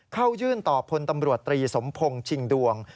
เข้ายื่นต่อพลตำรวจตรีสมพงศ์ชิงดวง